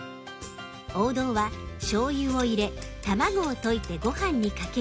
王道はしょうゆを入れ卵を溶いてご飯にかける